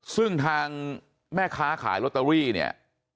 ซึ่งทางแม่ค้าขายลอตเตอรี่เนี่ย